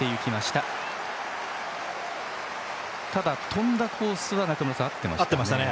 ただ、飛んだコースは合っていましたね。